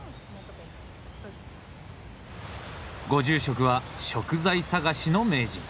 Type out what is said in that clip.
ご住職は食材探しの名人。